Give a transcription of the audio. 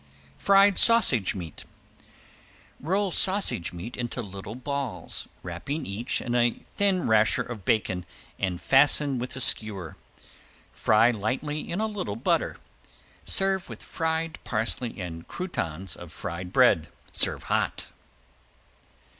~FRIED SAUSAGE MEAT~ Roll sausage meat into small balls, wrapping each in a thin rasher of bacon and fasten with a skewer. Fry lightly in a little butter. Serve with fried parsley and croutons of fried bread. Serve hot.